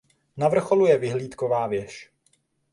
Na vrcholu je vyhlídková věž.